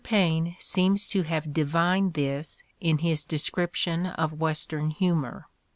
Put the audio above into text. Paine seems to have divined this in his description of Western humor.